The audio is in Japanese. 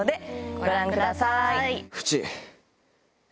ご覧ください。